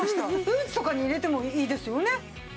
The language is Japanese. ブーツとかに入れてもいいですよね。